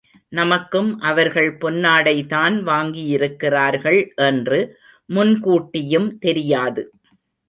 நமக்கும் அவர்கள் பொன்னாடை தான் வாங்கியிருக்கிறார்கள் என்று முன்கூட்டியும் தெரியாது.